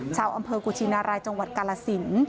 ชาวอำเภอกุชินารายจังหวัดกาลสิน